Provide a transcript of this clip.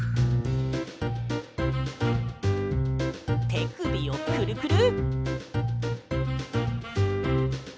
てくびをクルクル。